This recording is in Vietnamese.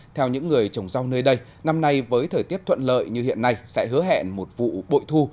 theo những người trồng rau nơi đây năm nay với thời tiết thuận lợi như hiện nay sẽ hứa hẹn một vụ bội thu